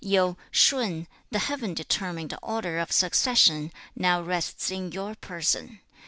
you, Shun, the Heaven determined order of succession now rests in your person.